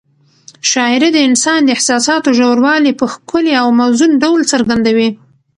شاعري د انسان د احساساتو ژوروالی په ښکلي او موزون ډول څرګندوي.